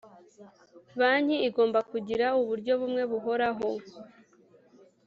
Banki igomba kugira uburyo bumwe buhoraho